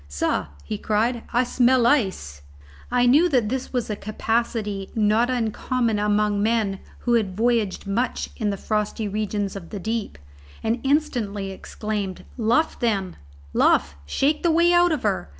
"Sah," he cried, "I smell ice!" I knew that this was a capacity not uncommon among men who had voyaged much in the frosty regions of the deep, and instantly exclaimed, "Luff, then, luff! shake the way out of her!"